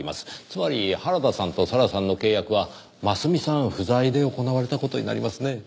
つまり原田さんと咲良さんの契約はますみさん不在で行われた事になりますねぇ。